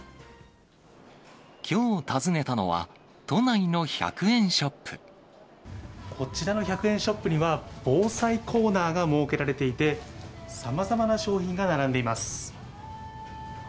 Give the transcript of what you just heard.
きょう訪ねたのは、都内のこちらの１００円ショップには、防災コーナーが設けられていて、さまざまな商品が並んでいます。